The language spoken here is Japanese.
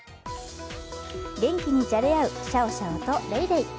元気にじゃれ合うシャオシャオとレイレイ。